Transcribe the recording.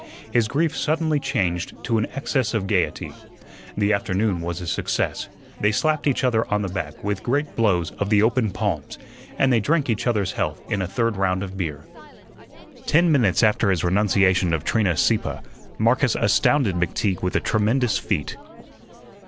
His grief suddenly changed to an excess of gaiety. The afternoon was a success. They slapped each other on the back with great blows of the open palms, and they drank each other's health in a third round of beer. Ten minutes after his renunciation of Trina Sieppe, Marcus astounded McTeague with a tremendous feat.